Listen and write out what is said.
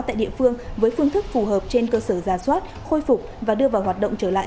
tại địa phương với phương thức phù hợp trên cơ sở giả soát khôi phục và đưa vào hoạt động trở lại